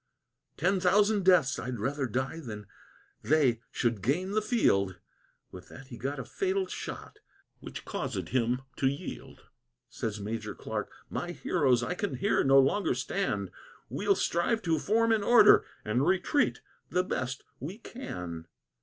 "Ten thousand deaths I'd rather die than they should gain the field!" With that he got a fatal shot, which causèd him to yield. Says Major Clarke, "My heroes, I can here no longer stand; We'll strive to form in order, and retreat the best we can."